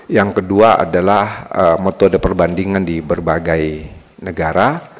yang kedua adalah metode perbandingan di berbagai negara